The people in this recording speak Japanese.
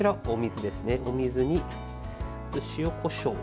お水に塩、こしょう。